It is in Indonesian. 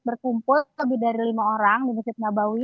berkumpul lebih dari lima orang di masjid nabawi